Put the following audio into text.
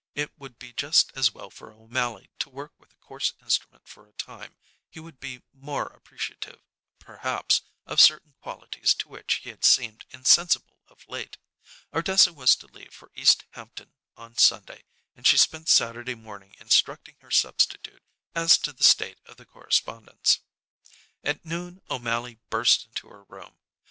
It would be just as well for O'Mally to work with a coarse instrument for a time; he would be more appreciative, perhaps, of certain qualities to which he had seemed insensible of late. Ardessa was to leave for East Hampton on Sunday, and she spent Saturday morning instructing her substitute as to the state of the correspondence. At noon O'Mally burst into her room.